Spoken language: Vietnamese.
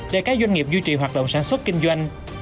để các doanh nghiệp duy trì hoạt động sản xuất kinh doanh